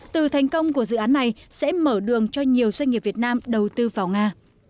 từ thành công của dự án này sẽ mở đường cho nhiều doanh nghiệp việt nam đầu tư vào nga